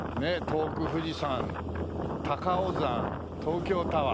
遠く富士山高尾山東京タワー。